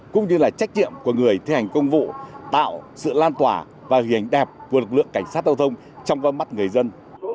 cũng như là trách nhiệm của người thi hành công vụ tạo sự lan tỏa và hình ảnh đẹp của lực lượng cảnh sát giao thông trong con mắt người dân